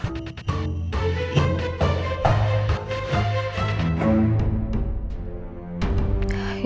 buat kebahagiaan kamu